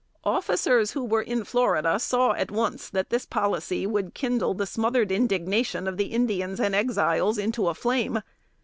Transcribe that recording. Officers who were in Florida saw at once that this policy would kindle the smothered indignation of the Indians and Exiles into a flame.